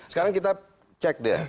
sekarang kita cek deh